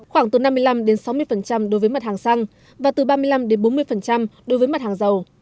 khoảng từ năm mươi năm sáu mươi đối với mặt hàng xăng và từ ba mươi năm bốn mươi đối với mặt hàng dầu